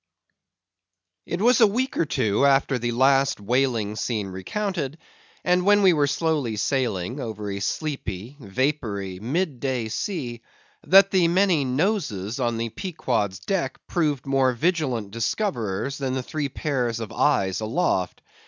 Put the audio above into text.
_ It was a week or two after the last whaling scene recounted, and when we were slowly sailing over a sleepy, vapory, mid day sea, that the many noses on the Pequod's deck proved more vigilant discoverers than the three pairs of eyes aloft.